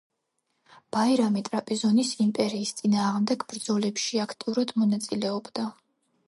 ბაირამი ტრაპიზონის იმპერიის წინააღმდეგ ბრძოლებში აქტიურად მონაწილეობდა.